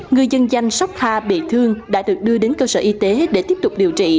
người dân danh sóc hà bị thương đã được đưa đến cơ sở y tế để tiếp tục điều trị